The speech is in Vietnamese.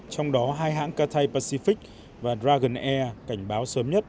trong đó hai hãng katay pacific và dragon air cảnh báo sớm nhất